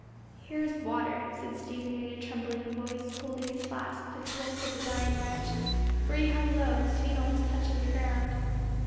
"Here is water," said Stephen in a trembling voice, holding his flask to the lips of the dying wretch for he hung low, his feet almost touching the ground.